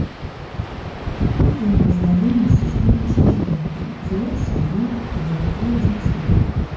Тут ён пазнаёміўся з будучай жонкай, завёў сям'ю, у яго трое дзяцей.